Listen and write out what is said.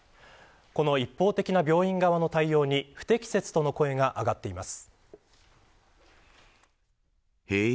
この一方的な病院側の対応に不適切との声が上がっています。